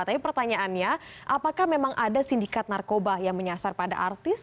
tapi pertanyaannya apakah memang ada sindikat narkoba yang menyasar pada artis